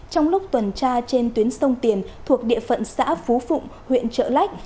trong lúc tuần tra trên tuyến sông tiền thuộc địa phận xã phú phụng huyện trợ lách